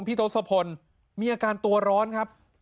ทศพลมีอาการตัวร้อนครับ